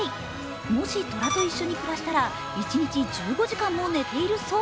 もし虎と一緒に暮らしたら一日１５時間も寝ているそう。